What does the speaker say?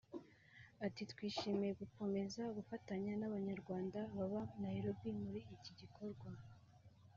Ati “Twishimiye gukomeza gufatanya n’Abanyarwanda baba Nairobi muri iki gikorwa